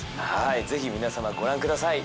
ぜひ皆様ご覧ください。